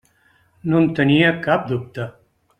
No en tenia cap dubte.